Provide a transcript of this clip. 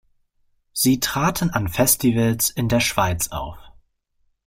Sie traten an Festivals in der Schweiz auf.